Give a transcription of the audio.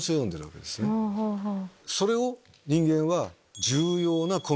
それを人間は。